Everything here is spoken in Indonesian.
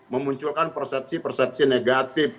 memunculkan persepsi persepsi negatif